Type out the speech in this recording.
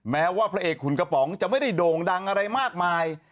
แม้ว่าพระเอกขุนกระป๋องจะไม่ได้โด่งดังอะไรมากมาย